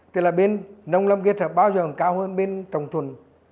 thì là bên nông lâm kết hợp bao giờ còn cao hơn bên trồng thuần